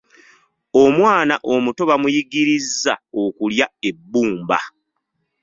Omwana omuto bamuyigirizza okulya ebbumba.